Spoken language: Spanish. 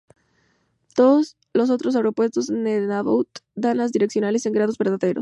Todos los otros aeropuertos de Nunavut dan las direccionales en grados verdaderos.